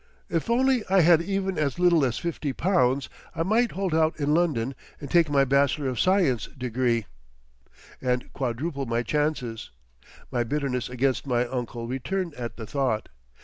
If only I had even as little as fifty pounds I might hold out in London and take my B.Sc. degree, and quadruple my chances! My bitterness against my uncle returned at the thought.